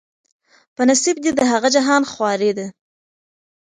په نصیب دي د هغه جهان خواري ده